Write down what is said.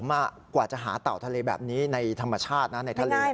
มากกว่าจะหาเต่าทะเลแบบนี้ในธรรมชาตินะในทะเล